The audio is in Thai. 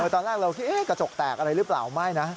ตอนแรกเราคิดกระจกแตกอะไรหรือเปล่าไม่นะ